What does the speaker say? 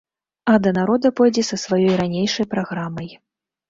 А да народа пойдзе са сваёй ранейшай праграмай.